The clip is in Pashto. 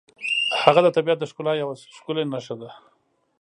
هغه د طبیعت د ښکلا یوه ښکلې نښه ده.